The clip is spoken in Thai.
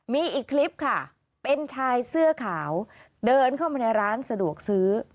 มีอีกคลิปค่ะเป็นชายเสื้อขาวเดินเข้ามาในร้านสะดวกซื้อ